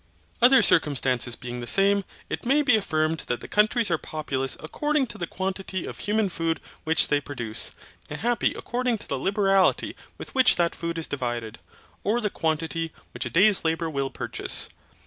Other circumstances being the same, it may be affirmed that countries are populous according to the quantity of human food which they produce, and happy according to the liberality with which that food is divided, or the quantity which a day's labour will purchase.